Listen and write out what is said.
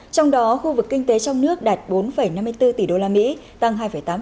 trong đó khu vực kinh tế trong nước đạt bốn năm mươi bốn tỷ usd tăng hai tám